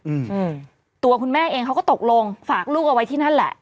อืมตัวคุณแม่เองเขาก็ตกลงฝากลูกเอาไว้ที่นั่นแหละ